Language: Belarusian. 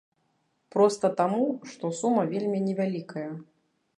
Проста таму, што сума вельмі невялікая.